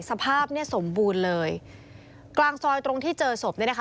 สภาพเนี่ยสมบูรณ์เลยกลางซอยตรงที่เจอศพเนี่ยนะคะ